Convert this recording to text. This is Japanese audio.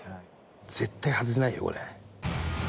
絶対外せないよこれ。